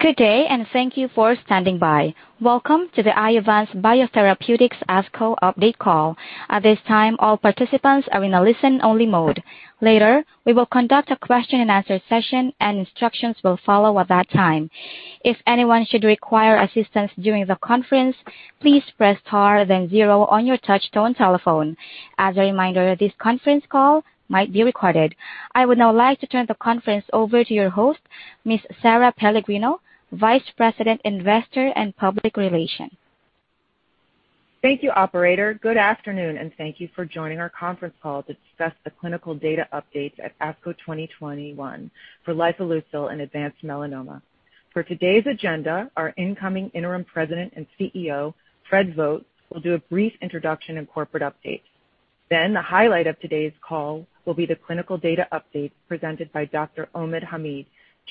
Good day. Thank you for standing by. Welcome to the Iovance Biotherapeutics ASCO update call. At this time, all participants are in a listen-only mode. Later, we will conduct a question and answer session, and instructions will follow at that time. If anyone should require assistance during the conference, please press star then zero on your touchtone telephone. As a reminder, this conference call might be recorded. I would now like to turn the conference over to your host, Ms. Sara Pellegrino, Vice President, Investor and Public Relations. Thank you, operator. Good afternoon, thank you for joining our conference call to discuss the clinical data updates at ASCO 2021 for lifileucel and advanced melanoma. For today's agenda, our Incoming Interim President and CEO, Fred Vogt, will do a brief introduction and corporate update. The highlight of today's call will be the clinical data updates presented by Dr. Omid Hamid,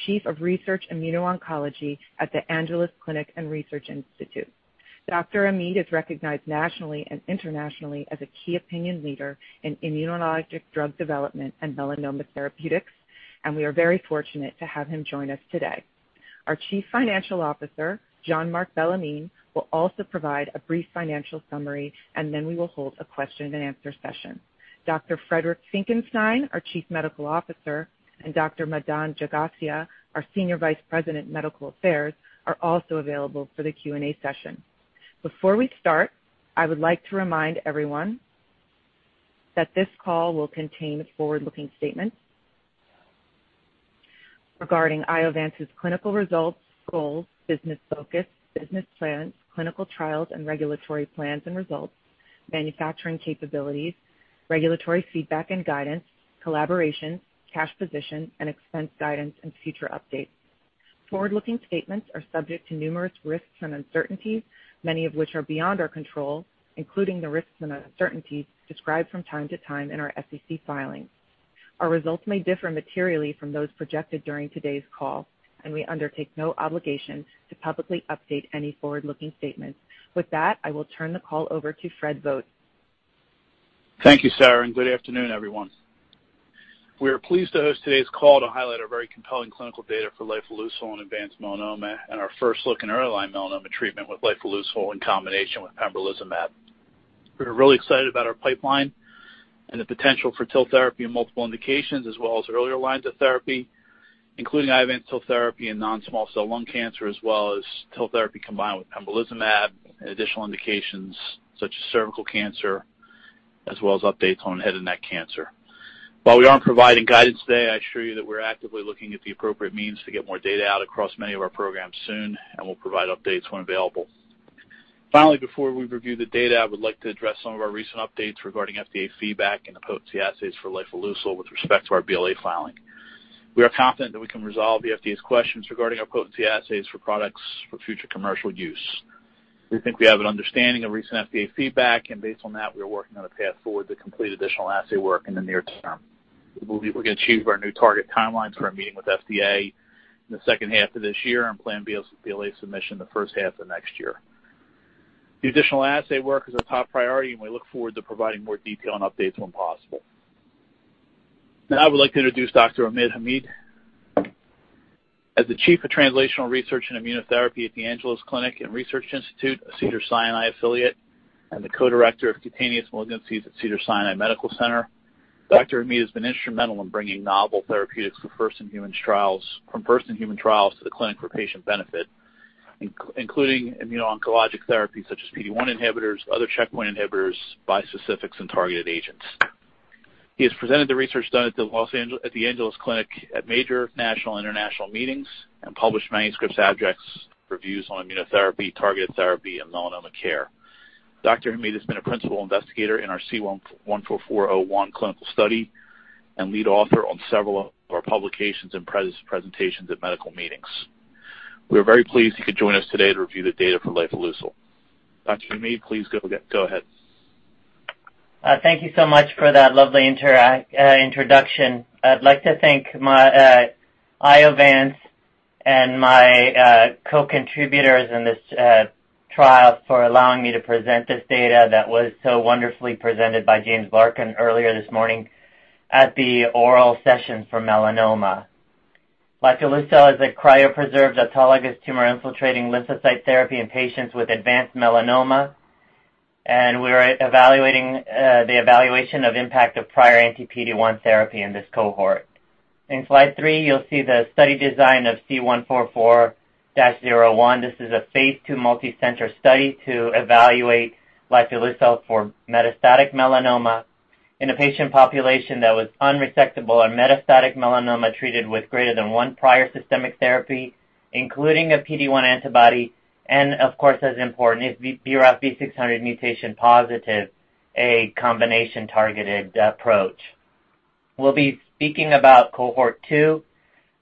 Chief of Translational Research and Immuno-Oncology at The Angeles Clinic and Research Institute. Dr. Hamid is recognized nationally and internationally as a key opinion leader in immuno-oncologic drug development and melanoma therapeutics, and we are very fortunate to have him join us today. Our Chief Financial Officer, Jean-Marc Bellemin, will also provide a brief financial summary, and then we will hold a question and answer session. Dr. Friedrich Finckenstein, our Chief Medical Officer, and Dr. Madan Jagasia, our Senior Vice President, Medical Affairs, are also available for the Q&A session. Before we start, I would like to remind everyone that this call will contain forward-looking statements regarding Iovance's clinical results, goals, business focus, business plans, clinical trials, and regulatory plans and results, manufacturing capabilities, regulatory feedback and guidance, collaboration, cash position, and expense guidance and future updates. Forward-looking statements are subject to numerous risks and uncertainties, many of which are beyond our control, including the risks and uncertainties described from time to time in our SEC filings. Our results may differ materially from those projected during today's call, and we undertake no obligation to publicly update any forward-looking statements. With that, I will turn the call over to Fred Vogt. Thank you, Sara. Good afternoon, everyone. We are pleased to host today's call to highlight our very compelling clinical data for lifileucel in advanced melanoma and our first look in early melanoma treatment with lifileucel in combination with pembrolizumab. We're really excited about our pipeline and the potential for TIL therapy in multiple indications as well as earlier lines of therapy, including advanced TIL therapy in non-small cell lung cancer, as well as TIL therapy combined with pembrolizumab and additional indications such as cervical cancer, as well as updates on head and neck cancer. While we aren't providing guidance today, I assure you that we're actively looking at the appropriate means to get more data out across many of our programs soon. We'll provide updates when available. Finally, before we review the data, I would like to address some of our recent updates regarding FDA feedback and potency assays for lifileucel with respect to our BLA filing. We are confident that we can resolve the FDA's questions regarding our potency assays for products for future commercial use. We think we have an understanding of recent FDA feedback, and based on that, we are working on a path forward to complete additional assay work in the near term. We believe we can achieve our new target timelines for our meeting with FDA in the second half of this year and plan BLA submission in the first half of next year. The additional assay work is a top priority, and we look forward to providing more detail and updates when possible. I would like to introduce Dr. Omid Hamid. As the Chief of Translational Research and Immuno-Oncology at The Angeles Clinic and Research Institute, a Cedars-Sinai affiliate, and the Co-Director of Cutaneous Malignancies at Cedars-Sinai Medical Center, Dr. Hamid has been instrumental in bringing novel therapeutics from first-in-human trials to the clinic for patient benefit, including immuno-oncologic therapy such as PD-1 inhibitors, other checkpoint inhibitors, bispecifics, and targeted agents. He has presented the research done at The Angeles Clinic at major national and international meetings and published manuscripts, abstracts, reviews on immunotherapy, targeted therapy, and melanoma care. Dr. Hamid has been a principal investigator in our C-144-01 clinical study and lead author on several of our publications and presentations at medical meetings. We are very pleased he can join us today to review the data for lifileucel. Dr. Hamid, please go ahead. Thank you so much for that lovely introduction. I'd like to thank Iovance and my co-contributors in this trial for allowing me to present this data that was so wonderfully presented by James Larkin earlier this morning at the oral session for melanoma. Lifileucel is a cryopreserved autologous tumor-infiltrating lymphocyte therapy in patients with advanced melanoma, and we are evaluating the evaluation of impact of prior anti-PD-1 therapy in this cohort. In slide three, you'll see the study design of C-144-01. This is a phase II multicenter study to evaluate lifileucel for metastatic melanoma in a patient population that was unresectable and metastatic melanoma treated with greater than one prior systemic therapy, including a PD-1 antibody, and of course, as important, if BRAF V600 mutation positive, a combination targeted approach. We'll be speaking about cohort two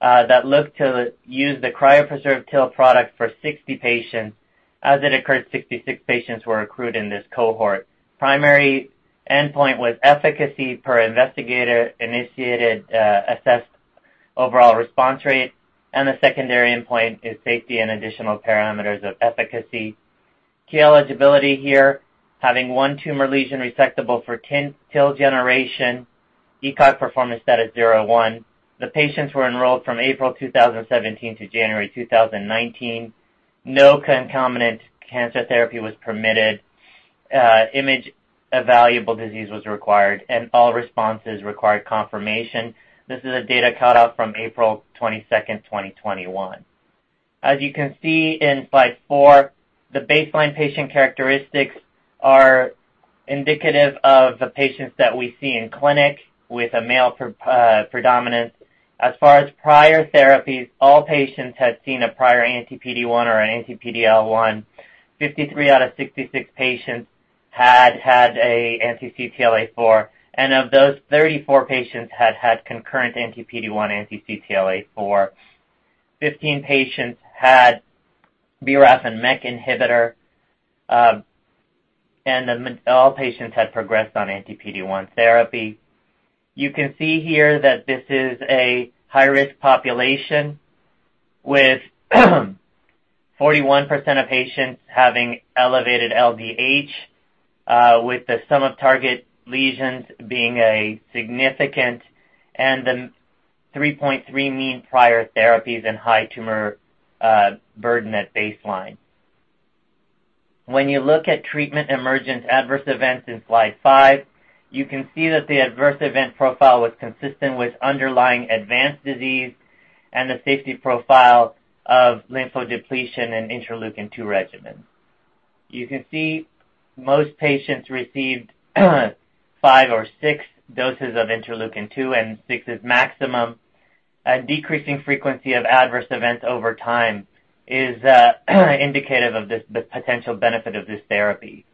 that looks to use the cryopreserved TIL product for 60 patients. As it occurs, 66 patients were accrued in this cohort. Primary endpoint was efficacy per investigator, initiated assessed overall response rate, and the secondary endpoint is safety and additional parameters of efficacy. TIL eligibility here, having one tumor lesion resectable for TIL generation, ECOG performance status 0-1. The patients were enrolled from April 2017 to January 2019. No concomitant cancer therapy was permitted. Image-evaluable disease was required, and all responses required confirmation. This is a data cutoff from April 22nd, 2021. As you can see in slide four, the baseline patient characteristics are indicative of the patients that we see in clinic with a male predominance. As far as prior therapies, all patients had seen a prior anti-PD-1 or an anti-PD-L1. 53 out of 66 patients had a anti-CTLA-4, and of those, 34 patients had concurrent anti-PD-1, anti-CTLA-4. 15 patients had BRAF and MEK inhibitor, and all patients had progressed on anti-PD-1 therapy. You can see here that this is a high-risk population with 41% of patients having elevated LDH, with the sum of target lesions being significant and the 3.3 mean prior therapies and high tumor burden at baseline. When you look at treatment emergence adverse events in slide five, you can see that the adverse event profile was consistent with underlying advanced disease and the safety profile of lymphodepletion and interleukin-2 regimens. You can see most patients received five or six doses of interleukin-2, and six is maximum. A decreasing frequency of adverse events over time is indicative of the potential benefit of this therapy.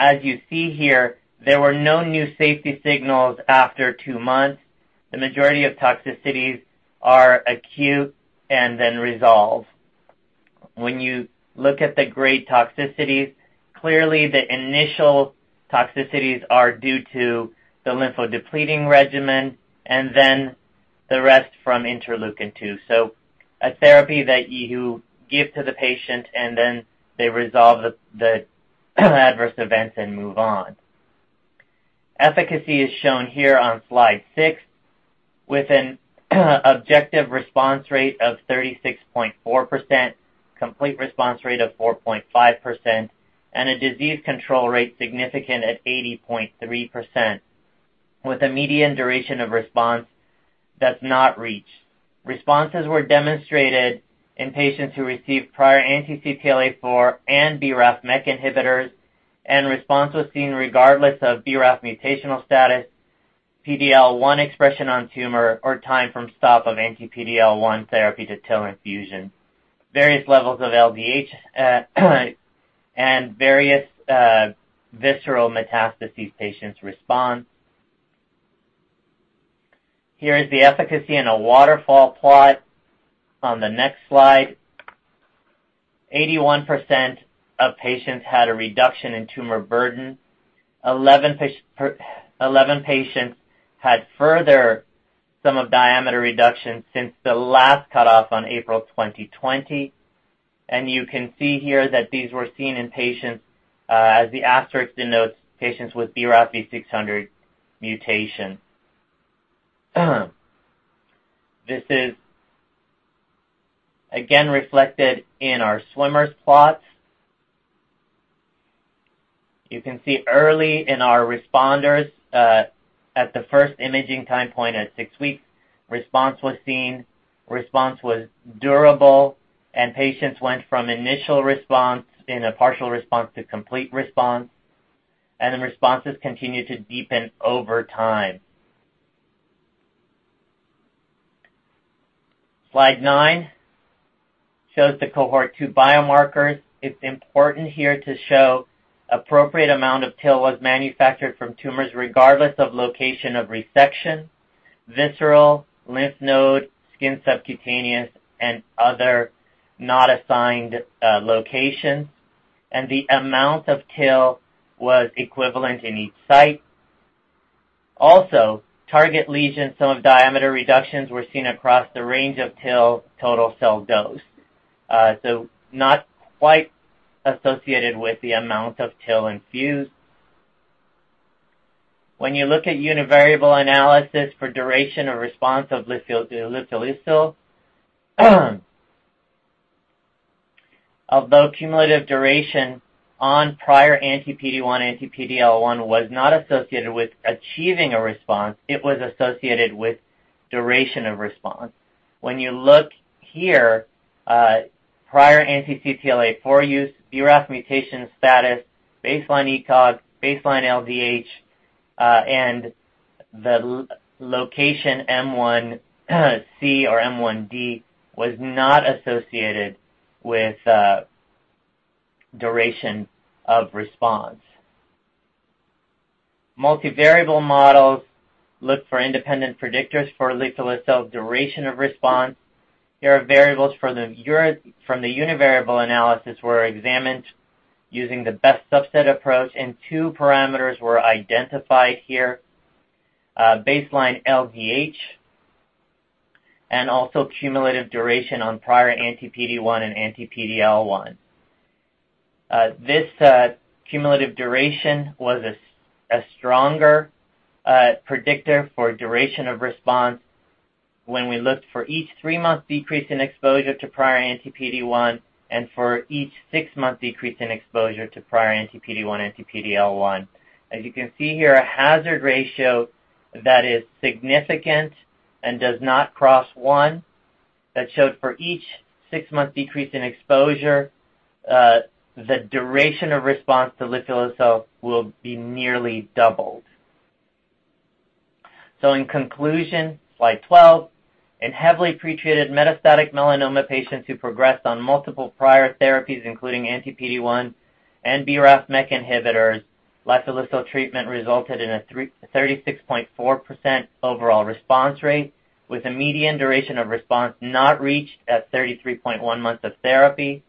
As you see here, there were no new safety signals after two months. The majority of toxicities are acute and resolve. When you look at the grade toxicities, clearly the initial toxicities are due to the lymphodepleting regimen and then the rest from interleukin-2. A therapy that you give to the patient, and then they resolve the adverse events and move on. Efficacy is shown here on slide six with an objective response rate of 36.4%, complete response rate of 4.5%, and a disease control rate significant at 80.3% with a median duration of response that's not reached. Responses were demonstrated in patients who received prior anti-CTLA-4 and BRAF MEK inhibitors, and response was seen regardless of BRAF mutational status, PD-L1 expression on tumor, or time from stop of anti-PD-L1 therapy to TIL infusion. Various levels of LDH and various visceral metastases patients respond. Here is the efficacy in a waterfall plot on the next slide. 81% of patients had a reduction in tumor burden. 11 patients had further sum of diameter reduction since the last cutoff on April 2020, and you can see here that these were seen in patients, as the asterisk denotes, patients with BRAF V600 mutation. This is again reflected in our swimmers plot. You can see early in our responders, at the first imaging time point at six weeks, response was seen, response was durable, and patients went from initial response in a partial response to complete response, and the responses continued to deepen over time. Slide nine shows the cohort 2 biomarkers. It's important here to show appropriate amount of TIL was manufactured from tumors regardless of location of resection, visceral, lymph node, skin subcutaneous, and other not assigned locations, and the amount of TIL was equivalent in each site. Target lesion sum diameter reductions were seen across the range of TIL total cell dose. Not quite associated with the amount of TIL infused. When you look at univariable analysis for duration of response of lifileucel, although cumulative duration on prior anti-PD-1/anti-PD-L1 was not associated with achieving a response, it was associated with duration of response. When you look here, prior anti-CTLA-4 use, BRAF mutation status, baseline ECOG, baseline LDH, and the location M1C or M1D was not associated with duration of response. Multivariable models look for independent predictors for lifileucel duration of response. Here, variables from the univariable analysis were examined using the best subset approach, and two parameters were identified here. Baseline LDH. Also cumulative duration on prior anti-PD-1 and anti-PD-L1. This cumulative duration was a stronger predictor for duration of response when we looked for each three-month decrease in exposure to prior anti-PD-1 and for each six-month decrease in exposure to prior anti-PD-1/anti-PD-L1. As you can see here, a hazard ratio that is significant and does not cross one, that showed for each six-month decrease in exposure, the duration of response to lifileucel will be nearly doubled. In conclusion, slide 12, in heavily pre-treated metastatic melanoma patients who progressed on multiple prior therapies, including anti-PD-1 and BRAF/MEK inhibitors, lifileucel treatment resulted in a 36.4% overall response rate with a median duration of response not reached at 33.1 months of therapy.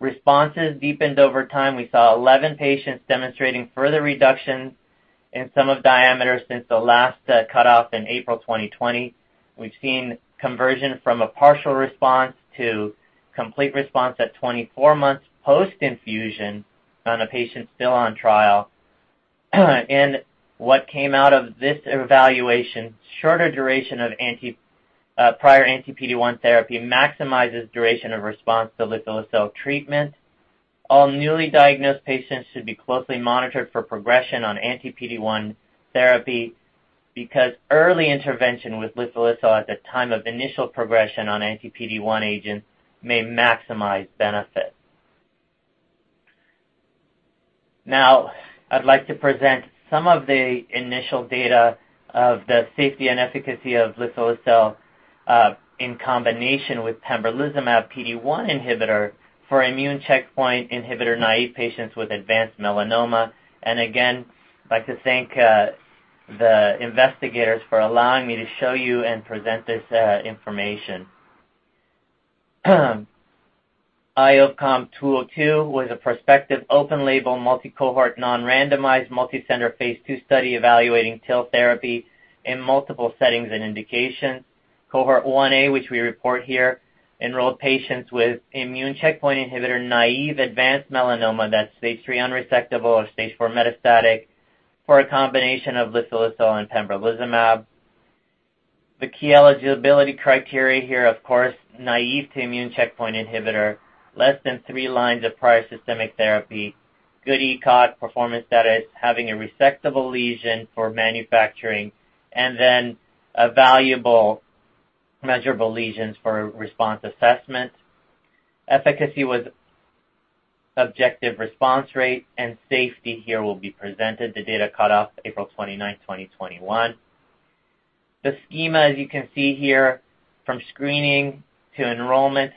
Responses deepened over time. We saw 11 patients demonstrating further reductions in sum of diameters since the last cutoff in April 2020. We've seen conversion from a partial response to complete response at 24 months post-infusion on a patient still on trial. What came out of this evaluation, shorter duration of prior anti-PD-1 therapy maximizes duration of response to lifileucel treatment. All newly diagnosed patients should be closely monitored for progression on anti-PD-1 therapy because early intervention with lifileucel at the time of initial progression on anti-PD-1 agents may maximize benefits. Now, I'd like to present some of the initial data of the safety and efficacy of lifileucel, in combination with pembrolizumab PD-1 inhibitor for immune checkpoint inhibitor-naive patients with advanced melanoma. Again, I'd like to thank the investigators for allowing me to show you and present this information. IOV-COM-202 was a prospective, open-label, multi-cohort, non-randomized, multi-center, Phase II study evaluating TIL therapy in multiple settings and indications. Cohort 1a, which we report here, enrolled patients with immune checkpoint inhibitor-naive, advanced melanoma that's Stage 3 unresectable or Stage 4 metastatic for a combination of lifileucel and pembrolizumab. The key eligibility criteria here, of course, naive to immune checkpoint inhibitor, less than three lines of prior systemic therapy, good ECOG performance status, having a resectable lesion for manufacturing, and then a valuable measurable lesion for response assessment. Efficacy was objective response rate. Safety here will be presented. The data cut off April 29, 2021. The schema, as you can see here, from screening to enrollment,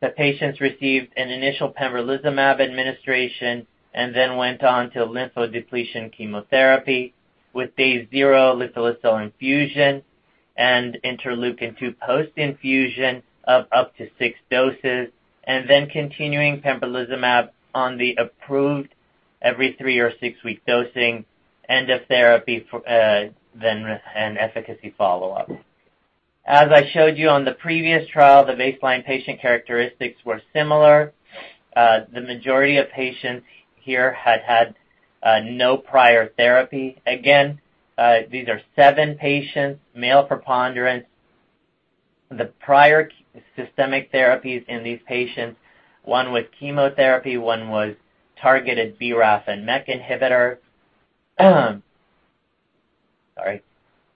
the patients received an initial pembrolizumab administration and then went on to lymphodepletion chemotherapy with Day zero lifileucel infusion and interleukin-2 post-infusion of up to six doses, continuing pembrolizumab on the approved every three or six-week dosing, end of therapy, then an efficacy follow-up. As I showed you on the previous trial, the baseline patient characteristics were similar. The majority of patients here had had no prior therapy. Again, these are seven patients, male preponderance. The prior systemic therapies in these patients, one was chemotherapy, one was targeted BRAF and MEK inhibitor. Sorry.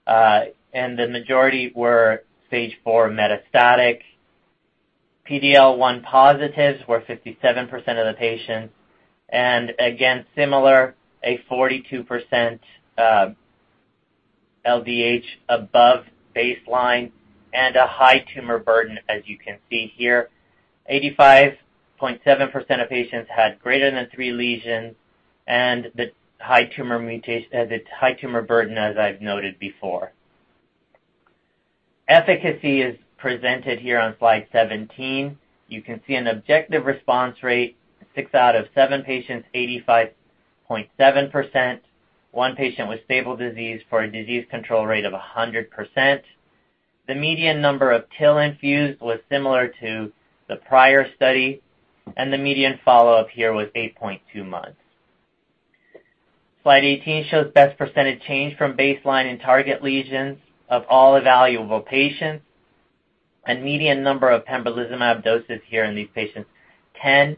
The majority were Stage 4 metastatic. PD-L1 positives were 57% of the patients. Again, similar, a 42% LDH above baseline and a high tumor burden, as you can see here. 85.7% of patients had greater than three lesions and the high tumor burden, as I've noted before. Efficacy is presented here on slide 17. You can see an objective response rate, six out of seven patients, 85.7%. One patient with stable disease for a disease control rate of 100%. The median number of TIL infused was similar to the prior study, and the median follow-up here was 8.2 months. Slide 18 shows best percentage change from baseline and target lesions of all evaluable patients and median number of pembrolizumab doses here in these patients, 10.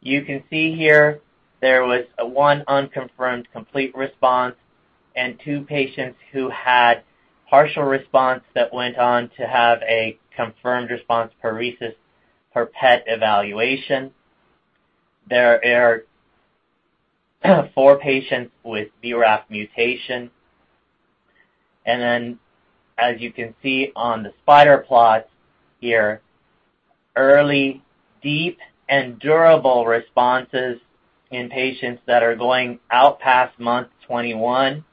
You can see here there was one unconfirmed complete response and two patients who had partial response that went on to have a confirmed response per PET evaluation. There are four patients with BRAF mutation. As you can see on the spider plot here, early, deep, and durable responses in patients that are going out past month 21.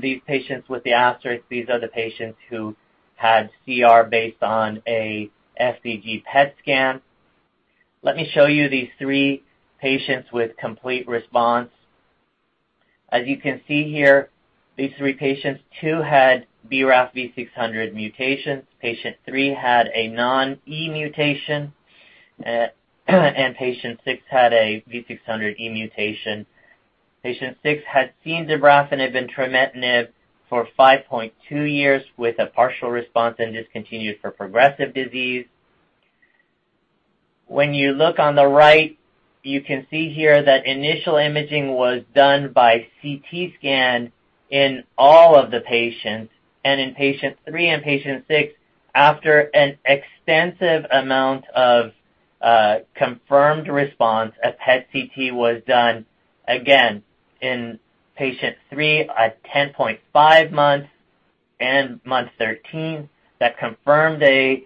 These patients with the asterisks, these are the patients who had CR based on a FDG PET scan. Let me show you these three patients with complete response. As you can see here, these three patients, two had BRAF V600 mutations. Patient three had a non E mutation, and Patient six had a V600E mutation. Patient six had seen dabrafenib and trametinib for 5.2 years with a partial response and discontinued for progressive disease. When you look on the right, you can see here that initial imaging was done by CT scan in all of the patients. In patient three and patient six, after an extensive amount of confirmed response, a PET-CT was done again in patient three at 10.5 months and month 13 that confirmed a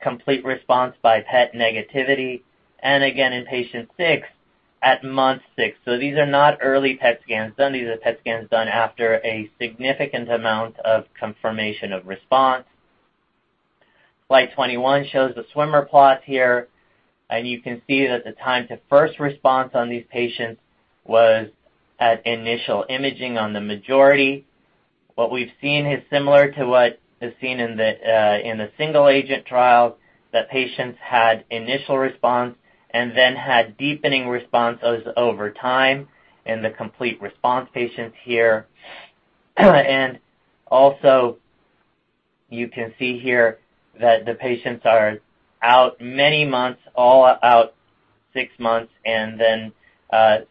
complete response by PET negativity, and again in patient six at month six. These are not early PET scans done. These are PET scans done after a significant amount of confirmation of response. Slide 21 shows the swimmer plot here, and you can see that the time to first response on these patients was at initial imaging on the majority. What we've seen is similar to what is seen in the single-agent trial, that patients had initial response and then had deepening responses over time in the complete response patients here. You can see here that the patients are out many months, all out six months, and then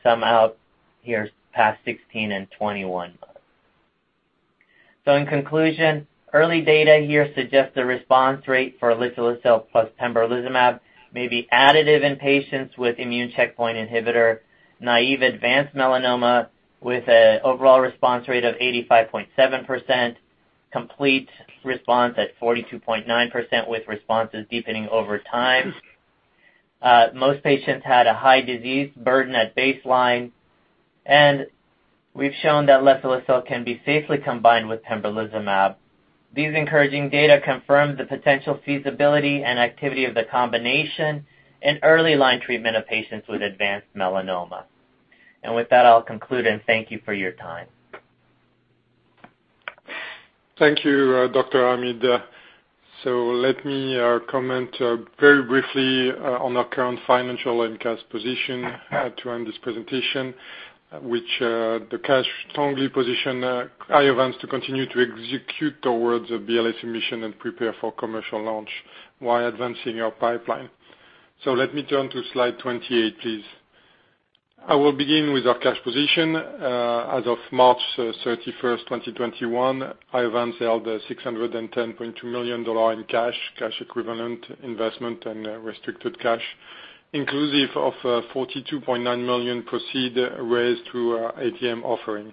some out here past 16 and 21 months. In conclusion, early data here suggests the response rate for lifileucel plus pembrolizumab may be additive in patients with immune checkpoint inhibitor-naive advanced melanoma with an overall response rate of 85.7%, complete response at 42.9%, with responses deepening over time. Most patients had a high disease burden at baseline. We've shown that lifileucel can be safely combined with pembrolizumab. These encouraging data confirm the potential feasibility and activity of the combination in early line treatment of patients with advanced melanoma. With that, I'll conclude and thank you for your time. Thank you, Dr. Hamid. Let me comment very briefly on our current financial and cash position to end this presentation. Which the cash strongly position Iovance to continue to execute towards the BLA submission and prepare for commercial launch while advancing our pipeline. Let me turn to slide 28, please. I will begin with our cash position. As of March 31st, 2021, Iovance held $610.2 million in cash equivalent, investment, and restricted cash, inclusive of $42.9 million proceed raised through our ATM offering.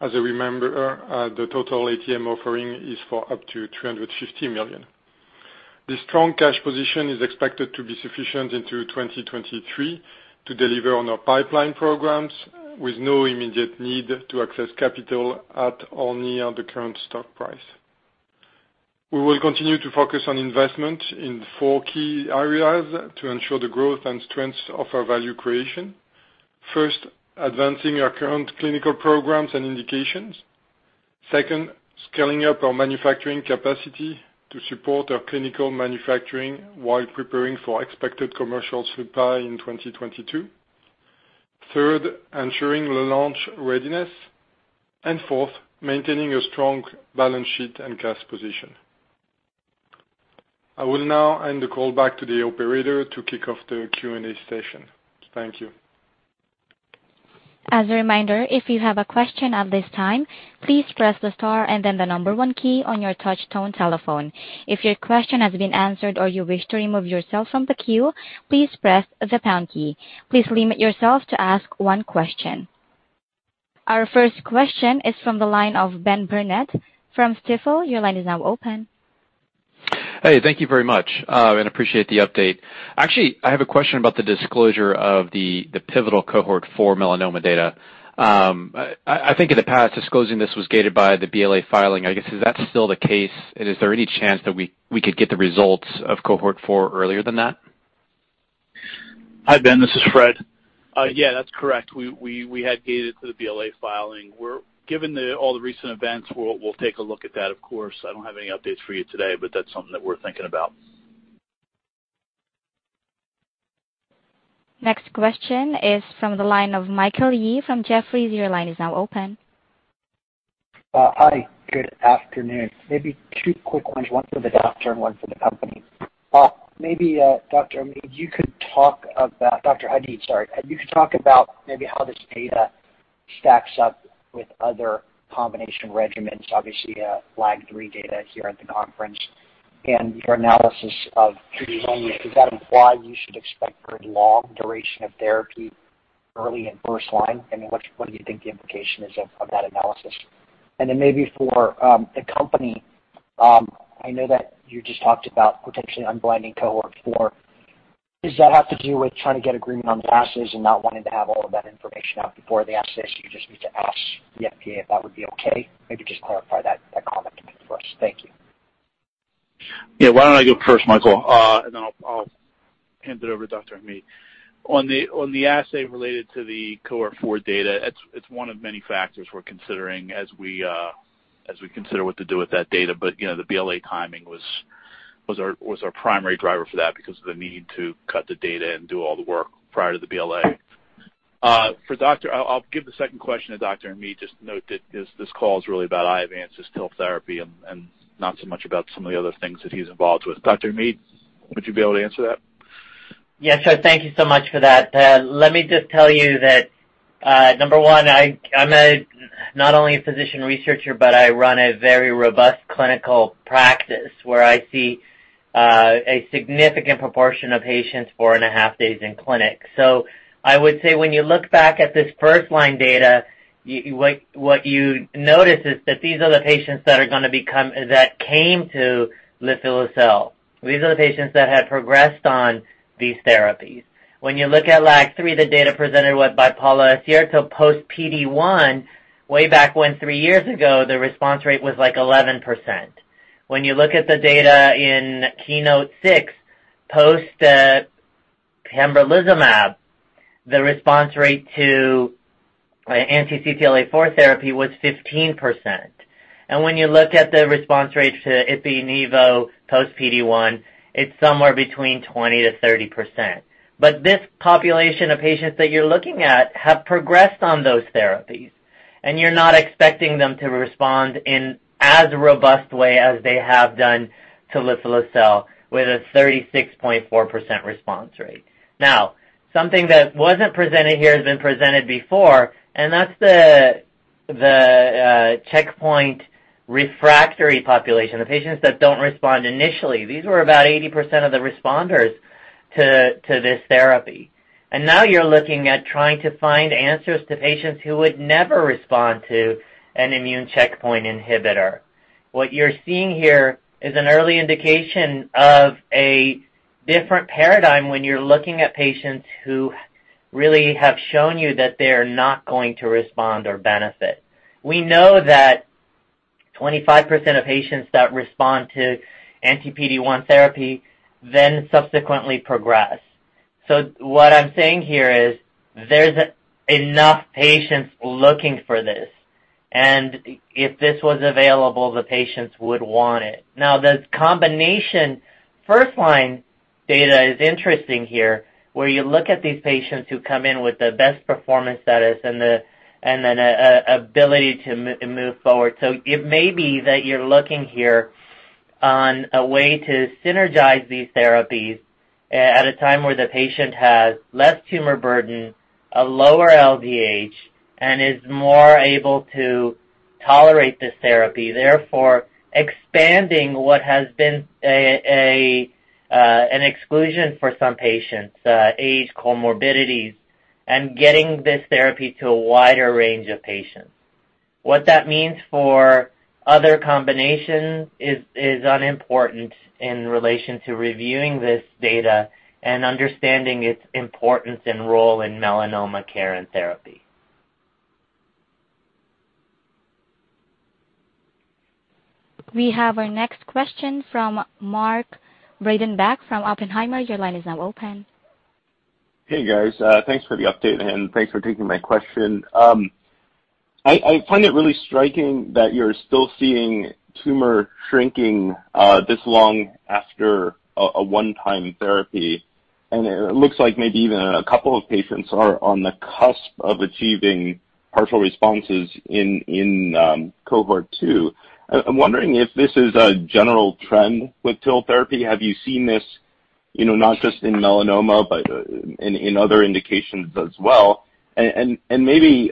As a reminder, the total ATM offering is for up to $350 million. This strong cash position is expected to be sufficient into 2023 to deliver on our pipeline programs with no immediate need to access capital at or near the current stock price. We will continue to focus on investment in four key areas to ensure the growth and strength of our value creation. First, advancing our current clinical programs and indications. Second, scaling up our manufacturing capacity to support our clinical manufacturing while preparing for expected commercial supply in 2022. Third, ensuring the launch readiness. Fourth, maintaining a strong balance sheet and cash position. I will now hand the call back to the operator to kick off the Q&A session. Thank you. As a reminder, if you have a question at this time, please press the star and then the number one key on your touchtone telephone. If your question has been answered or you wish to remove yourself from the queue, please press the pound key. Please limit yourself to ask one question. Our first question is from the line of Benjamin Burnett from Stifel. Your line is now open. Hey, thank you very much. I appreciate the update. Actually, I have a question about the disclosure of the pivotal cohort for melanoma data. I think in the past, disclosing this was gated by the BLA filing. I guess, is that still the case? Is there any chance that we could get the results of cohort 4 earlier than that? Hi, Ben. This is Fred. Yeah, that's correct. We had gated the BLA filing. Given all the recent events, we'll take a look at that, of course. I don't have any updates for you today, but that's something that we're thinking about. Next question is from the line of Michael Yee from Jefferies. Your line is now open. Hi, good afternoon. Maybe two quick ones, one for the doctor and one for the company. Maybe, Dr. Omid Hamid, you could talk about maybe how this data stacks up with other combination regimens, obviously, Phase III data here at the conference and your analysis of two years only. Is that why you should expect a long duration of therapy early in first line? What do you think the implication is of that analysis? Then maybe for the company, I know that you just talked about potentially unblinding cohort 4. Does that have to do with trying to get agreement on the ASCO and not wanting to have all of that information out before they ask this? You just need to ask the FDA if that would be okay. Maybe just clarify that comment. Thank you. Why don't I go first, Michael, and I'll hand it over to Dr. Hamid. On the assay related to the cohort four data, it's one of many factors we're considering as we consider what to do with that data. The BLA timing was our primary driver for that because of the need to cut the data and do all the work prior to the BLA. I'll give the second question to Dr. Hamid. Just note that this call is really about Iovance's TIL therapy and not so much about some of the other things that he's involved with. Dr. Hamid, would you be able to answer that? Thank you so much for that. Let me just tell you that, number one, I'm not only a physician researcher, but I run a very robust clinical practice where I see a significant proportion of patients four and a half days in clinic. I would say when you look back at this first-line data, what you notice is that these are the patients that came to lifileucel. These are the patients that have progressed on these therapies. When you look at LAG-3, the data presented by Paolo Ascierto post-PD-1, way back when, three years ago, the response rate was 11%. When you look at the data in KEYNOTE-006 post-pembrolizumab, the response rate to anti-CTLA-4 therapy was 15%. When you look at the response rate to ipi/nivo post-PD-1, it's somewhere between 20%-30%. This population of patients that you're looking at have progressed on those therapies, and you're not expecting them to respond in as robust way as they have done to lifileucel with a 36.4% response rate. Something that wasn't presented here has been presented before, and that's the checkpoint refractory population, the patients that don't respond initially. These were about 80% of the responders to this therapy. Now you're looking at trying to find answers to patients who would never respond to an immune checkpoint inhibitor. What you're seeing here is an early indication of a different paradigm when you're looking at patients who really have shown you that they are not going to respond or benefit. We know that 25% of patients that respond to anti-PD-1 therapy then subsequently progress. What I'm saying here is there's enough patients looking for this, and if this was available, the patients would want it. The combination first-line data is interesting here, where you look at these patients who come in with the best performance status and an ability to move forward. It may be that you're looking here on a way to synergize these therapies at a time where the patient has less tumor burden, a lower LDH, and is more able to tolerate the therapy, therefore expanding what has been an exclusion for some patients, age, comorbidities, and getting this therapy to a wider range of patients. What that means for other combinations is unimportant in relation to reviewing this data and understanding its importance and role in melanoma care and therapy. We have our next question from Mark Breidenbach from Oppenheimer. Your line is now open. Hey, guys. Thanks for the update, and thanks for taking my question. I find it really striking that you're still seeing tumor shrinking this long after a one-time therapy. It looks like maybe even a couple of patients are on the cusp of achieving partial responses in cohort 2. I'm wondering if this is a general trend with TIL therapy. Have you seen this, not just in melanoma, but in other indications as well? Maybe,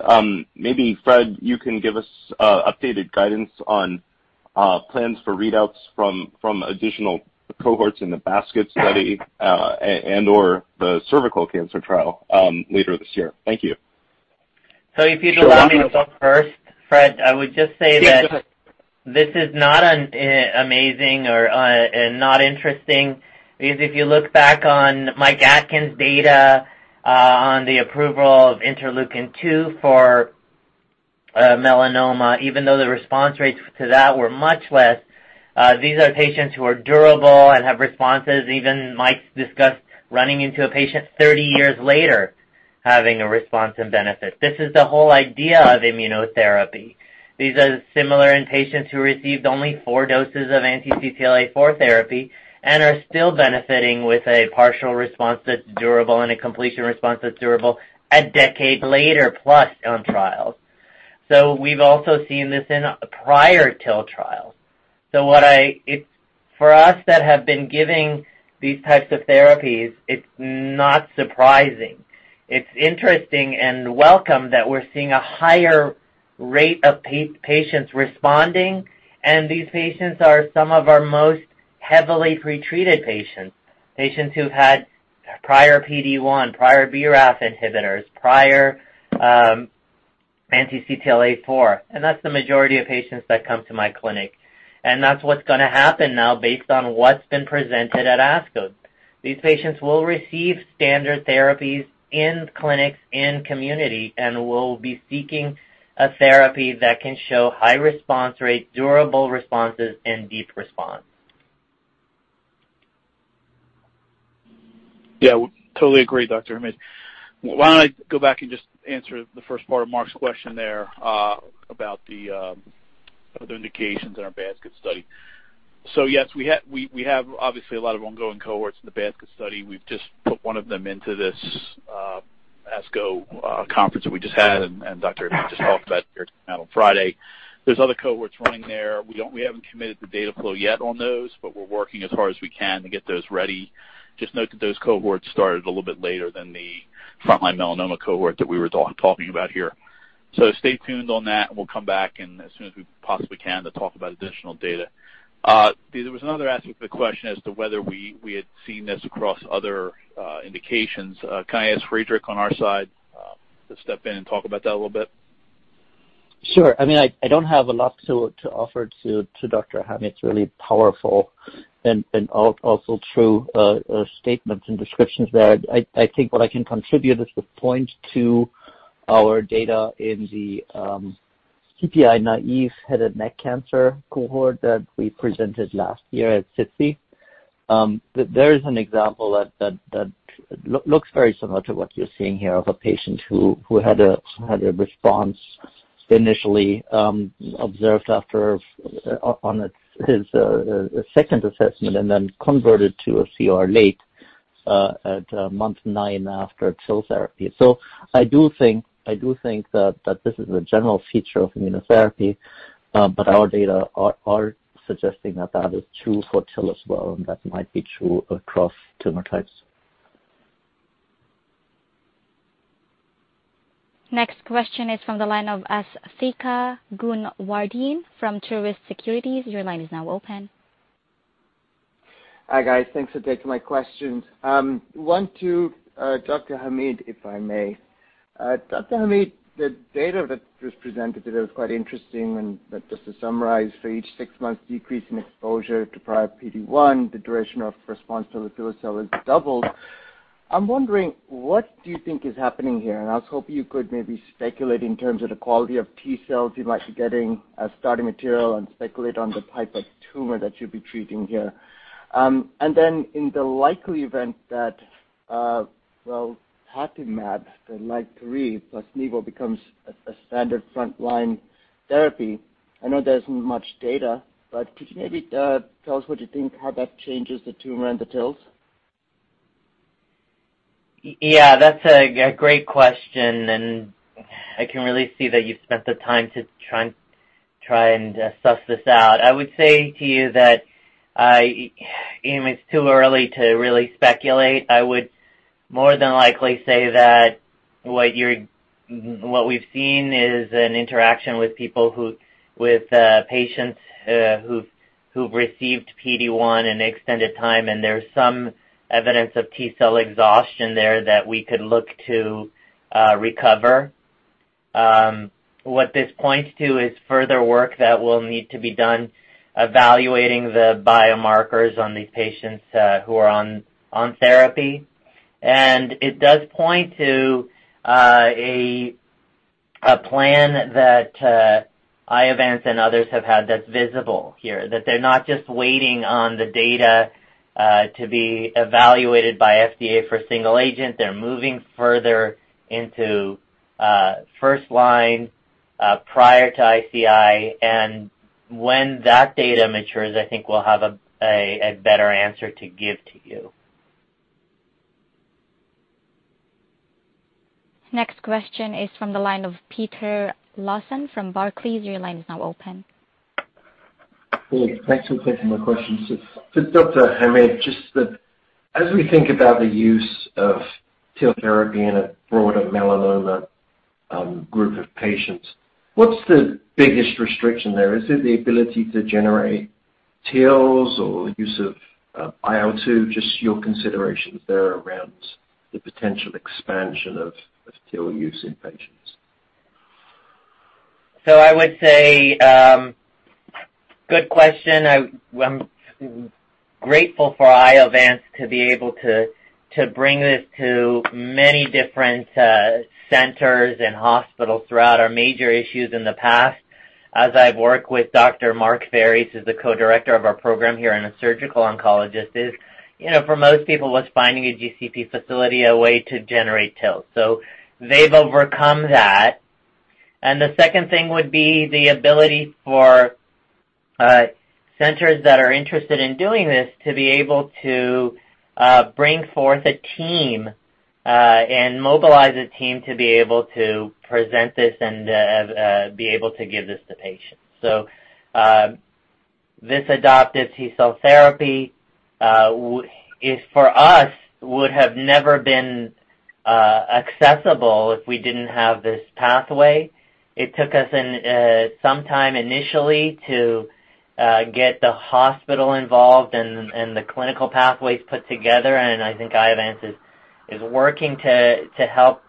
Fred Vogt, you can give us updated guidance on plans for readouts from additional cohorts in the Basket study and/or the cervical cancer trial later this year. Thank you. If you'd allow me to go first, Fred, I would just say that this is not an amazing or not interesting, because if you look back on Michael Atkins' data on the approval of interleukin-2 for melanoma, even though the response rates to that were much less, these are patients who are durable and have responses, even Mike's discussed running into a patient 30 years later having a response and benefit. This is the whole idea of immunotherapy. These are similar in patients who received only four doses of anti-CTLA-4 therapy and are still benefiting with a partial response that's durable and a complete response that's durable a decade later, plus on trials. We've also seen this in prior TIL trials. For us that have been giving these types of therapies, it's not surprising. It's interesting and welcome that we're seeing a higher rate of patients responding. These patients are some of our most heavily pretreated patients who've had prior PD-1, prior BRAF inhibitors, prior anti-CTLA-4. That's the majority of patients that come to my clinic. That's what's going to happen now based on what's been presented at ASCO. These patients will receive standard therapies in clinics and community will be seeking a therapy that can show high response rates, durable responses, and deep response. Totally agree, Dr. Hamid. Why don't I go back and just answer the first part of Mark's question there about the other indications in our Basket study. Yes, we have obviously a lot of ongoing cohorts in the Basket study. We've just put one of them into this ASCO conference that we just had, and Dr. Hamid just talked about there on Friday. There's other cohorts running there. We haven't committed to data flow yet on those, but we're working as hard as we can to get those ready. Just note that those cohorts started a little bit later than the frontline melanoma cohort that we were talking about here. Stay tuned on that, and we'll come back as soon as we possibly can to talk about additional data. There was another aspect of the question as to whether we had seen this across other indications. Can I ask Friedrich on our side to step in and talk about that a little bit? Sure. I don't have a lot to offer to Dr. Hamid's really powerful and also true statements and descriptions there. I think what I can contribute is to point to our data in the CPI-naïve head and neck cancer cohort that we presented last year at SITC. There is an example that looks very similar to what you're seeing here of a patient who had a response initially observed after on his second assessment and then converted to a CR late at month nine after TIL therapy. I do think that this is a general feature of immunotherapy, but our data are suggesting that is true for TIL as well, and that might be true across tumor types. Next question is from the line of Asthika Goonewardene from Truist Securities. Your line is now open. Hi, guys. Thanks for taking my questions. One to Dr. Hamid, if I may. Dr. Hamid, the data that was presented today was quite interesting, and just to summarize, for each six months decrease in exposure to prior PD-1, the duration of response to the TIL is doubled. I'm wondering what do you think is happening here? I was hoping you could maybe speculate in terms of the quality of T cells you might be getting as starting material and speculate on the type of tumor that you'd be treating here. In the likely event that, well, relatlimab, the LAG-3+ nivolumab becomes a standard frontline therapy. I know there isn't much data, could you maybe tell us what you think how that changes the tumor and the TILs? Yeah, that's a great question, and I can really see that you've spent the time to try and suss this out. I would say to you that it's too early to really speculate. I would more than likely say that what we've seen is an interaction with patients who've received PD-1 an extended time, and there's some evidence of T cell exhaustion there that we could look to recover. What this points to is further work that will need to be done evaluating the biomarkers on these patients who are on therapy. It does point to a plan that Iovance and others have had that's visible here, that they're not just waiting on the data to be evaluated by FDA for single agent. They're moving further into first line prior to ICI. When that data matures, I think we'll have a better answer to give to you. Next question is from the line of Peter Lawson from Barclays. Yeah. Thanks for taking my questions. For Dr. Hamid, just as we think about the use of TIL therapy in a broader melanoma group of patients, what's the biggest restriction there? Is it the ability to generate TILs or use of IL-2? Just your considerations there around the potential expansion of TIL use in patients. I would say, good question. I'm grateful for Iovance to be able to bring this to many different centers and hospitals throughout. A major issue in the past, as I've worked with Dr. Mark Faries, who's the co-director of our program here and a surgical oncologist, is for most people, was finding a GCP facility a way to generate TILs. They've overcome that. The second thing would be the ability for centers that are interested in doing this to be able to bring forth a team and mobilize a team to be able to present this and be able to give this to patients. This adoptive T cell therapy, for us, would have never been accessible if we didn't have this pathway. It took us some time initially to get the hospital involved and the clinical pathways put together. I think Iovance is working to help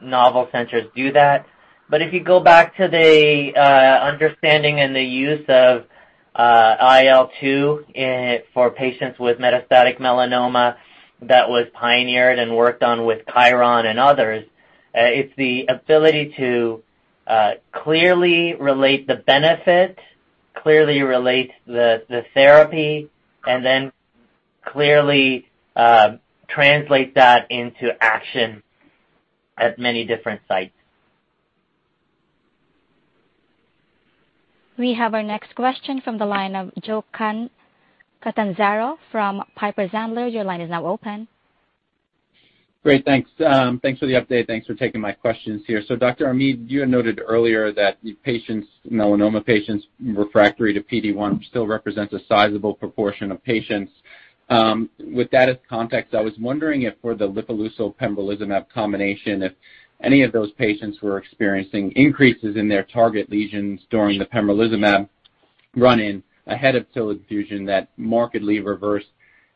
novel centers do that. If you go back to the understanding and the use of IL-2 for patients with metastatic melanoma that was pioneered and worked on with Chiron and others, it's the ability to clearly relate the benefit, clearly relate the therapy, and then clearly translate that into action at many different sites We have our next question from the line of Joseph Catanzaro from Piper Sandler. Your line is now open. Great. Thanks for the update. Thanks for taking my questions here. Dr. Omid Hamid, you had noted earlier that melanoma patients refractory to PD-1 still represents a sizable proportion of patients. With that as context, I was wondering if for the liposomal pembrolizumab combination, if any of those patients were experiencing increases in their target lesions during the pembrolizumab run-in ahead of TIL infusion that markedly reversed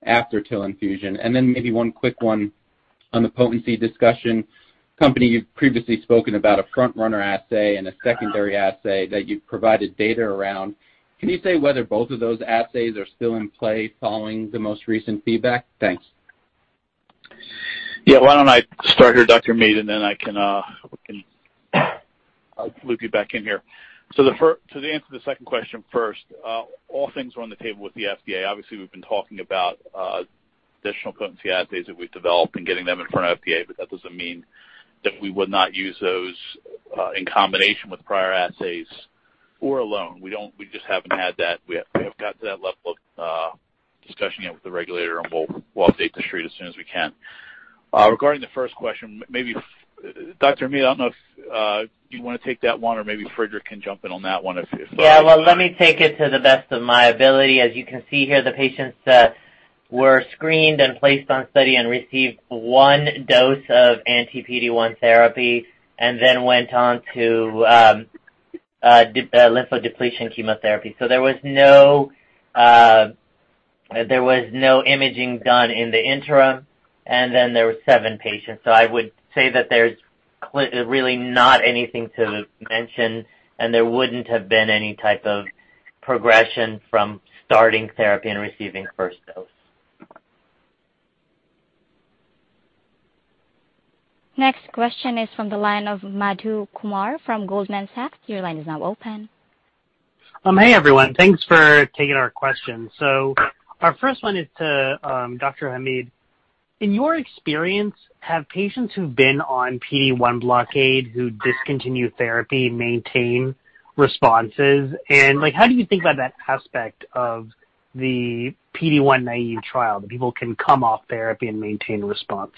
after TIL infusion. Maybe one quick one on the potency discussion. Company, you've previously spoken about a front-runner assay and a secondary assay that you've provided data around. Can you say whether both of those assays are still in play following the most recent feedback? Thanks. Yeah. Why don't I start here, Dr. Hamid, and then I can loop you back in here. To answer the second question first, all things are on the table with the FDA. Obviously, we've been talking about additional potency assays that we've developed and getting them in front of FDA, but that doesn't mean that we would not use those in combination with prior assays or alone. We just haven't had that. We haven't got to that level of discussion yet with the regulator, and we'll update the Street as soon as we can. Regarding the first question, maybe, Dr. Hamid, I don't know if you want to take that one or maybe Friedrich can jump in on that one. Well, let me take it to the best of my ability. As you can see here, the patients that were screened and placed on study and received one dose of anti-PD-1 therapy then went on to lymphodepletion chemotherapy. There was no imaging done in the interim, then there were seven patients. I would say that there's really not anything to mention, there wouldn't have been any type of progression from starting therapy and receiving the first dose. Next question is from the line of Madhu Kumar from Goldman Sachs. Your line is now open. Hey, everyone. Thanks for taking our question. Our first one is to Dr. Hamid. In your experience, have patients who've been on PD-1 blockade who discontinue therapy maintain responses? How do you think about that aspect of the PD-1 naive trial, people can come off therapy and maintain response?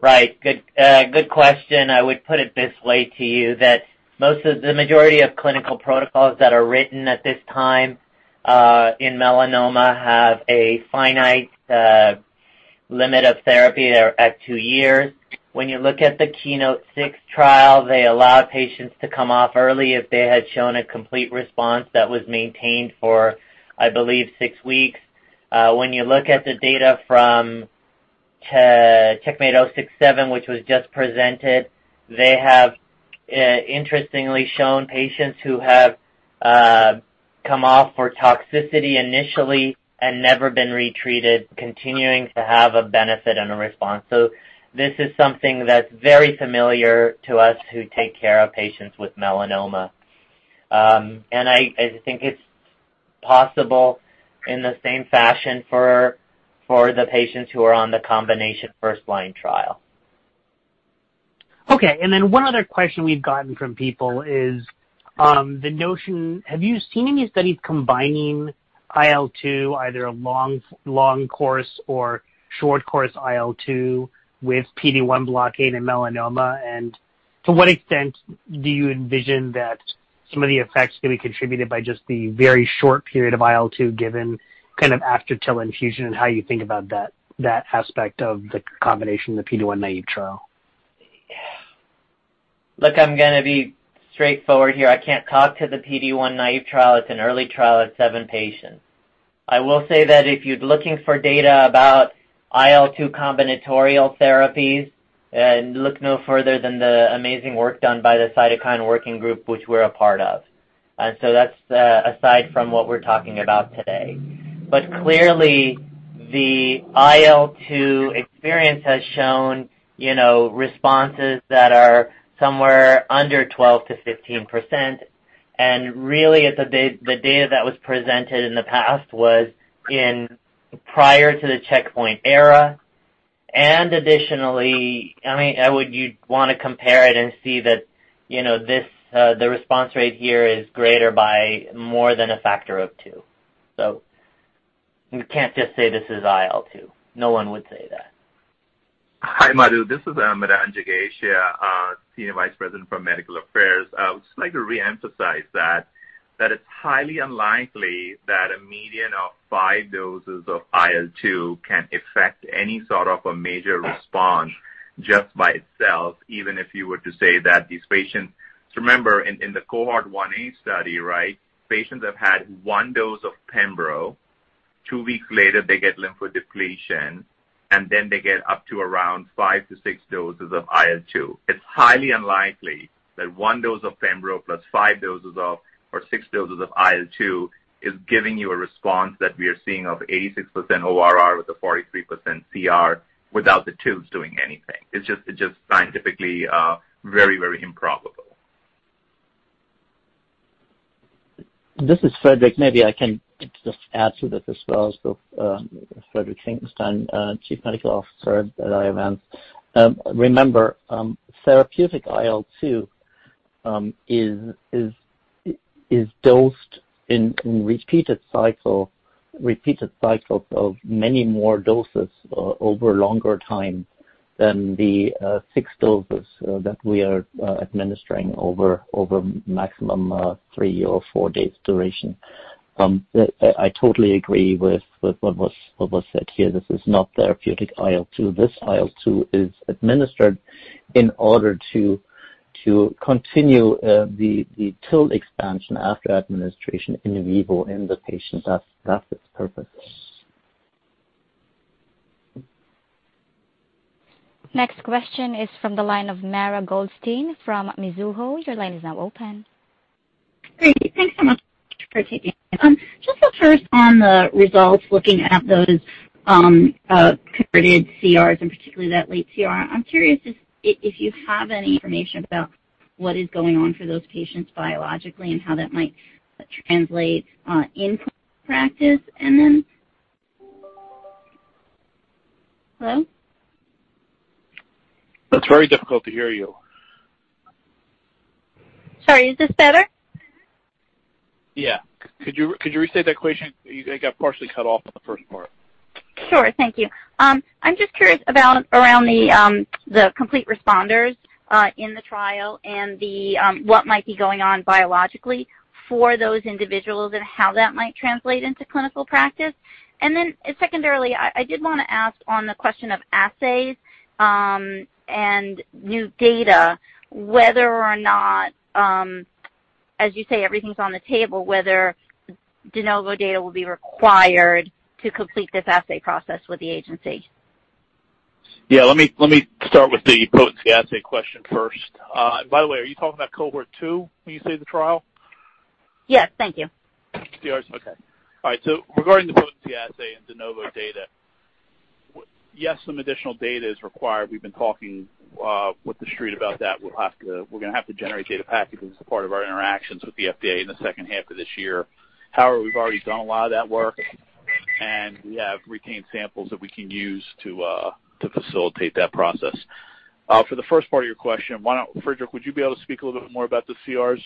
Right. Good question. I would put it this way to you, that the majority of clinical protocols that are written at this time in melanoma have a finite limit of therapy at two years. When you look at the KEYNOTE-006 trial, they allowed patients to come off early if they had shown a complete response that was maintained for, I believe, six weeks. When you look at the data from CheckMate -067, which was just presented, they have interestingly shown patients who have come off for toxicity initially and never been retreated, continuing to have a benefit and a response. This is something that's very familiar to us who take care of patients with melanoma. I think it's possible in the same fashion for the patients who are on the combination first-line trial. Okay, one other question we've gotten from people is the notion, have you seen any studies combining IL-2, either long course or short course IL-2 with PD-1 blockade and melanoma? To what extent do you envision that some of the effects may be contributed by just the very short period of IL-2 given after TIL infusion, and how you think about that aspect of the combination of the PD-1 naive trial? Look, I'm going to be straightforward here. I can't talk to the PD-1 naive trial. It's an early trial of seven patients. I will say that if you're looking for data about IL-2 combinatorial therapies, look no further than the amazing work done by the Cytokine Working Group, which we're a part of. That's aside from what we're talking about today. Clearly, the IL-2 experience has shown responses that are somewhere under 12%-15%. Really, the data that was presented in the past was prior to the checkpoint era. Additionally, you'd want to compare it and see that the response rate here is greater by more than a factor of two. You can't just say this is IL-2. No one would say that. Hi, Madhu. This is Madan Jagasia, senior vice president for Medical Affairs. I would just like to reemphasize that it's highly unlikely that a median of five doses of IL-2 can affect any sort of a major response just by itself, even if you were to say that. Remember, in the cohort 1A study, right? Patients have had one dose of pembro. Two weeks later, they get lymph depletion, and then they get up to around five to six doses of IL-2. It's highly unlikely that one dose of pembro plus five doses of or six doses of IL-2 is giving you a response that we are seeing of 86% ORR with a 43% CR without the TILs doing anything. It's just scientifically very improbable. This is Frederich. Maybe I can just add to that as well. Friedrich Graf Finckenstein, Chief Medical Officer at Iovance Biotherapeutics. Remember, therapeutic IL-2 is dosed in repeated cycles of many more doses over a longer time than the 6 doses that we are administering over a maximum of three or four days duration. I totally agree with what was said here. This is not therapeutic IL-2. This IL-2 is administered in order to continue the TIL expansion after administration in vivo in the patient. That's its purpose. Next question is from the line of Mara Goldstein from Mizuho. Your line is now open. Great. Thanks so much. Appreciate your time. Just first on the results, looking at those converted CRs and particularly that late CR, I'm curious if you have any information about what is going on for those patients biologically and how that might translate into practice. Hello? It's very difficult to hear you. Sorry. Is this better? Yeah. Could you restate that question? It got partially cut off in the first part. Sure. Thank you. I'm just curious around the complete responders in the trial and what might be going on biologically for those individuals and how that might translate into clinical practice. Secondarily, I did want to ask on the question of assays, and new data, whether or not, as you say, everything's on the table, whether de novo data will be required to complete this assay process with the agency. Yeah. Let me start with the potency assay question first. By the way, are you talking about cohort 2 when you say the trial? Yes. Thank you. CRs. Okay. All right, regarding the potency assay and de novo data, yes, some additional data is required. We've been talking with the street about that. We're going to have to generate data packages as part of our interactions with the FDA in the second half of this year. However, we've already done a lot of that work, and we have retained samples that we can use to facilitate that process. For the first part of your question, Friedrich, would you be able to speak a little bit more about the CRs?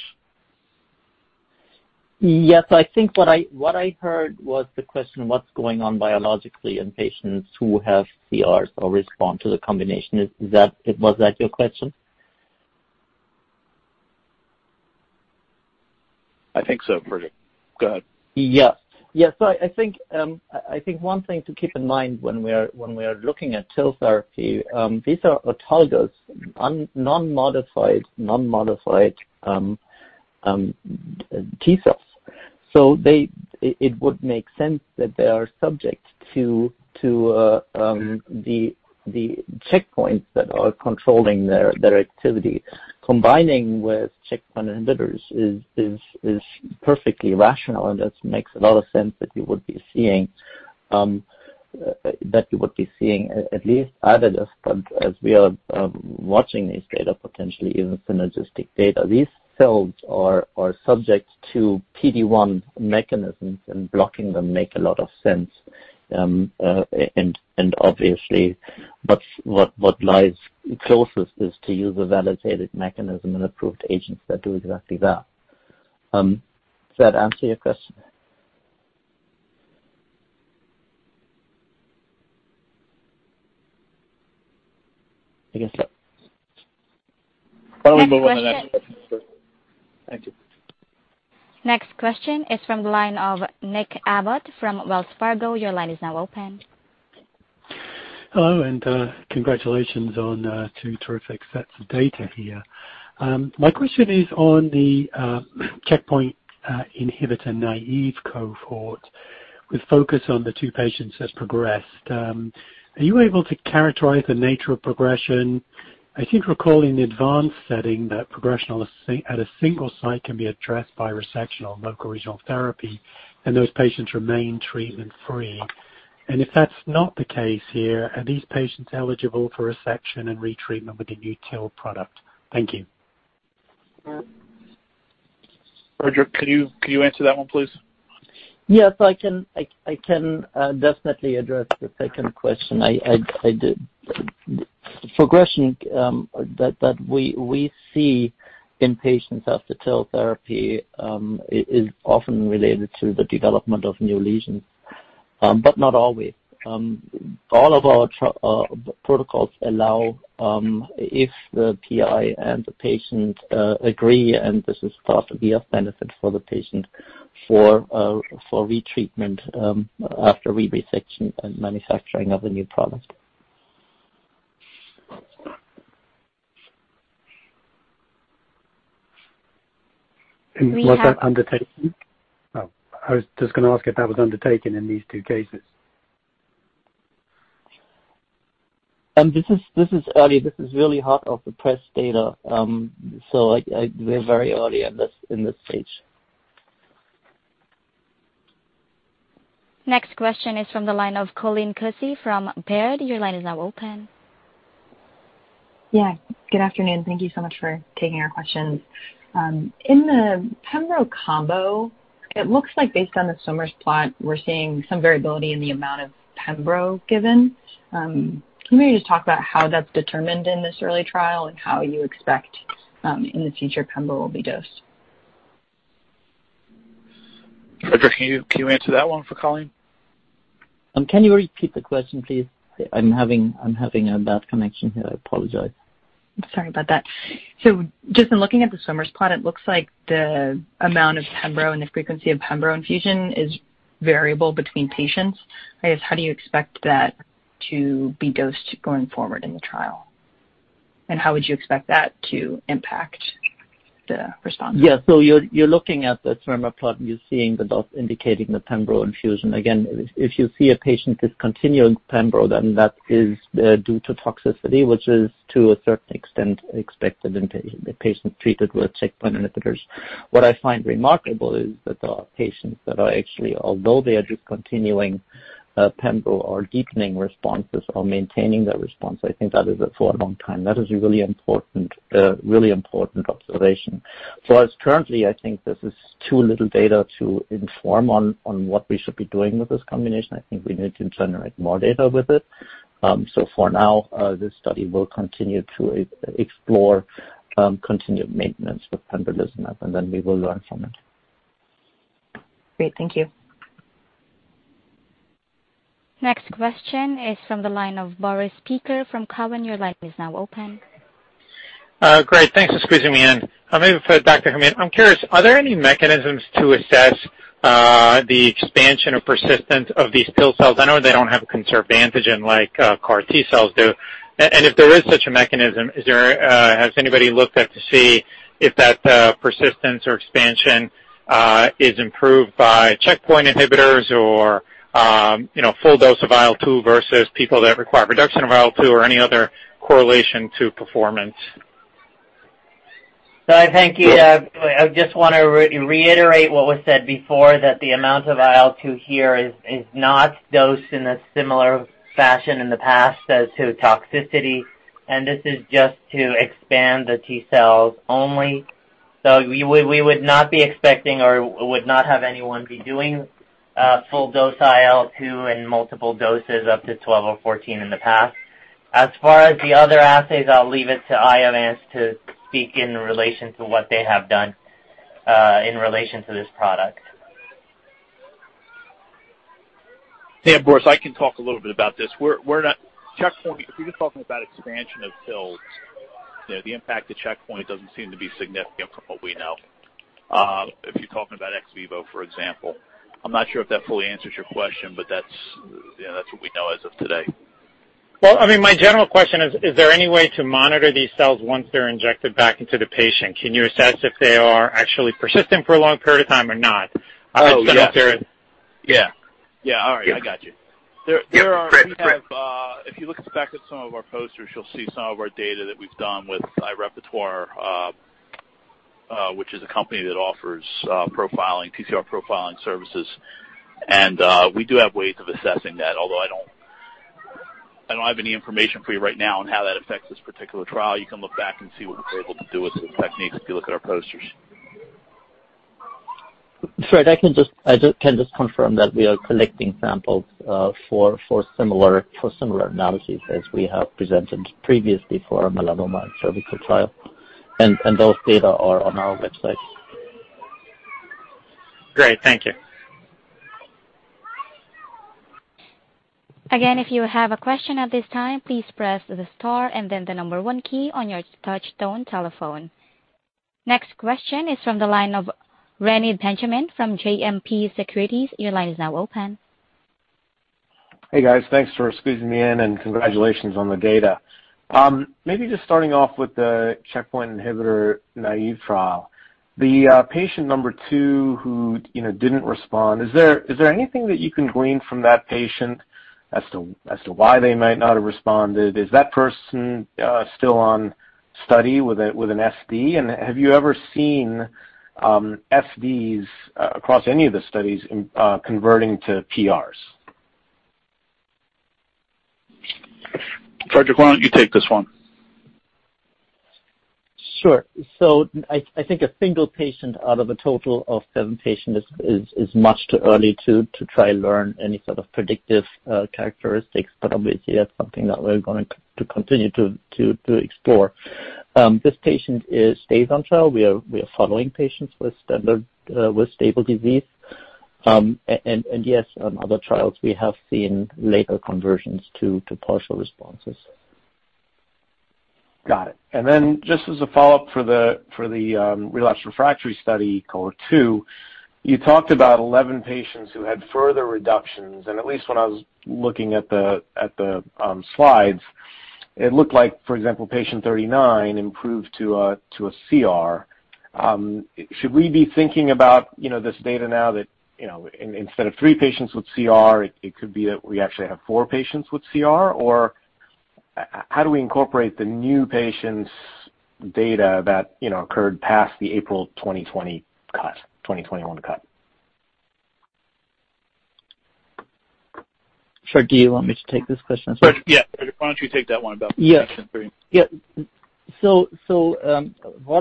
Yes. I think what I heard was the question, what is going on biologically in patients who have CRs or respond to the combination. Was that your question? I think so, Friedrich. Go ahead. I think one thing to keep in mind when we are looking at TIL therapy, these are autologous, non-modified T cells. It would make sense that they are subject to the checkpoints that are controlling their activity. Combining with checkpoint inhibitors is perfectly rational, and it makes a lot of sense that you would be seeing at least added response as we are watching these data, potentially even synergistic data. These cells are subject to PD-1 mechanisms, and blocking them makes a lot of sense. Obviously, what lies closest is to use a validated mechanism and approved agents that do exactly that. Does that answer your question? I guess so. Thank you. Next question is from the line of Nick Abbott from Wells Fargo. Your line is now open. Hello, congratulations on two terrific sets of data here. My question is on the checkpoint inhibitor-naive cohort with focus on the two patients that progressed. Are you able to characterize the nature of progression? I think we're calling the advanced setting that progression at a single site can be addressed by resection or local regional therapy, those patients remain treatment free. If that's not the case here, are these patients eligible for resection and retreatment with a new TIL product? Thank you. Friedrich, can you answer that one, please? Yes, I can definitely address the second question. Progression that we see in patients after TIL therapy is often related to the development of new lesions, but not always. All of our protocols allow, if the PI and the patient agree, and this is thought to be of benefit for the patient, for retreatment after rebiopsy and manufacturing of a new product. Was that undertaken? I was just going to ask if that was undertaken in these two cases. This is early. This is really hot-off-the-press data. We're very early in this stage. Next question is from the line of Colleen Kusy from Baird. Yeah. Good afternoon. Thank you so much for taking our questions. In the pembro combo, it looks like based on the somers plot, we're seeing some variability in the amount of pembro given. Can you just talk about how that's determined in this early trial and how you expect, in the future, pembro will be dosed? Friedrich, can you answer that one for Colleen? Can you repeat the question, please? I'm having a bad connection here. I apologize. Sorry about that. Just looking at the somers plot, it looks like the amount of pembro and the frequency of pembro infusion is variable between patients. How do you expect that to be dosed going forward in the trial? How would you expect that to impact the response? Yeah. You're looking at the somers plot, and you're seeing the dose indicating the pembro infusion. Again, if you see a patient discontinuing pembro, then that is due to toxicity, which is to a certain extent expected in patients treated with checkpoint inhibitors. What I find remarkable is that there are patients that are actually, although they are discontinuing pembro, are deepening responses or maintaining that response. I think that is for a long time. That is a really important observation. As currently, I think this is too little data to inform on what we should be doing with this combination. I think we need to generate more data with it. For now, this study will continue to explore continued maintenance with pembrolizumab, and then we will learn from it. Great. Thank you. Next question is from the line of Boris Peaker from Cowen. Your line is now open. Great. Thanks for squeezing me in. Maybe for Dr. Omid Hamid. I'm curious, are there any mechanisms to assess the expansion or persistence of these TIL cells? I know they don't have conserved antigen like CAR T-cell do. If there is such a mechanism, has anybody looked at to see if that persistence or expansion is improved by checkpoint inhibitors or full dose of IL-2 versus people that require reduction of IL-2 or any other correlation to performance? Thank you. I just want to reiterate what was said before, that the amount of IL-2 here is not dosed in a similar fashion in the past as to toxicity, and this is just to expand the T-cells only. We would not be expecting or would not have anyone be doing full dose IL-2 in multiple doses up to 12 or 14 in the past. As far as the other assays, I'll leave it to Iovance to speak in relation to what they have done in relation to this product. Boris Peaker, I can talk a little bit about this. Checkpoint, if you're talking about expansion of TILs, the impact of checkpoint doesn't seem to be significant from what we know. If you're talking about ex vivo, for example. I'm not sure if that fully answers your question, but that's what we know as of today. Well, my general question is there any way to monitor these cells once they're injected back into the patient? Can you assess if they are actually persistent for a long period of time or not? Oh, yes. Yeah. All right. Got you. Great. If you look back at some of our posters, you'll see some of our data that we've done with iRepertoire, which is a company that offers TCR profiling services. We do have ways of assessing that, although I don't have any information for you right now on how that affects this particular trial. You can look back and see what we were able to do with some techniques if you look at our posters. Fred, I can just confirm that we are collecting samples for similar analyses as we have presented previously for melanoma, so we could trial and those data are on our website. Great. Thank you. Again, if you have a question at this time, please press the star and then the number one key on your touchtone telephone. Next question is from the line of Reni Benjamin from JMP Securities. Your line is now open. Hey, guys. Thanks for squeezing me in and congratulations on the data. Maybe just starting off with the checkpoint inhibitor naive trial. The patient number two who didn't respond, is there anything that you can glean from that patient as to why they might not have responded? Is that person still on study with an SP? Have you ever seen SVs across any of the studies converting to PRs? Friedrich, why don't you take this one? Sure. I think a single patient out of a total of seven patients is much too early to try to learn any sort of predictive characteristics, but obviously, that's something that we're going to continue to explore. This patient stays on trial. We are following patients with stable disease. Yes, in other trials, we have seen later conversions to partial responses. Got it. Just as a follow-up for the relapsed refractory study, IOV-COM-202, you talked about 11 patients who had further reductions, and at least when I was looking at the slides, it looked like, for example, patient 39 improved to a CR. Should we be thinking about this data now that instead of three patients with CR, it could be that we actually have four patients with CR? How do we incorporate the new patient's data that occurred past the April 2021 cut? Fred, do you want me to take this question? Yeah. Why don't you take that one about patient 39? So far,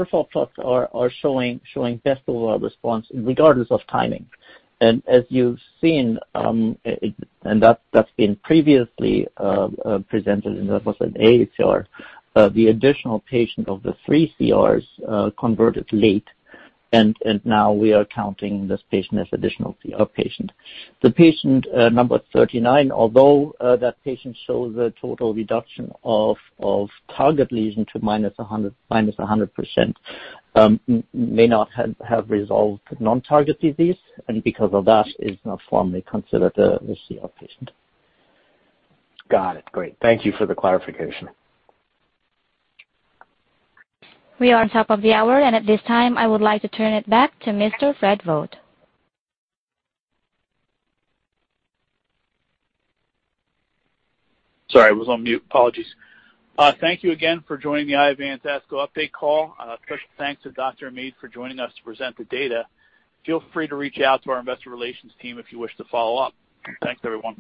follow-ups are showing partial response regardless of timing. As you've seen, and that's been previously presented, and that was an AChR. The additional patient of the 3 CRs converted late, and now we are counting this patient as additional CR patient. The patient number 39, although that patient shows a total reduction of target lesion to minus 100%, may not have resolved non-target disease, and because of that is not formally considered a CR patient. Got it. Great. Thank you for the clarification. We are on top of the hour, and at this time I would like to turn it back to Mr. Fred Vogt. Sorry, I was on mute. Apologies. Thank you again for joining the Iovance ASCO update call. Special thanks to Dr. Hamid for joining us to present the data. Feel free to reach out to our investor relations team if you wish to follow up. Thanks, everyone.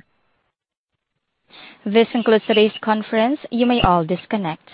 This concludes today's conference. You may all disconnect.